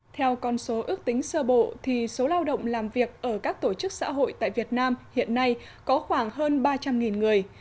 theo con số ước tính sơ bộ số lao động làm việc ở các tổ chức xã hội tại việt nam hiện nay có khoảng hơn ba trăm linh người